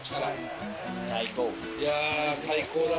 最高最高！